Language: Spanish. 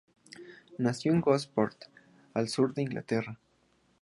Nació en Gosport, al sur de Inglaterra.